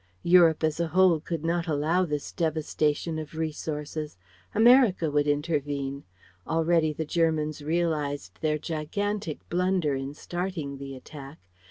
Europe as a whole could not allow this devastation of resources. America would intervene. Already the Germans realized their gigantic blunder in starting the attack.